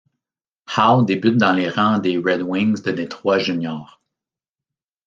Howe débute dans les rangs des Red Wings de Détroit juniors.